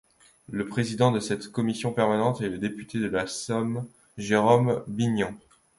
Le président de cette commission permanente est le député de la Somme Jérôme Bignon.